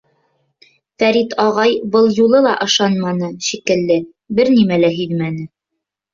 Фәрит ағай был юлы ла ышанманы, шикле бер нәмә лә һиҙмәне.